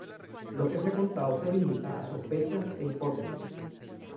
Lo que se ha contado se limita a sospechas e hipótesis.